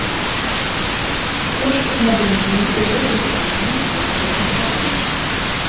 Кошт на бензін у гэтай краіне проста фантастычны.